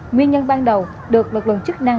nguyên nhân ban đầu được lực lượng chức năng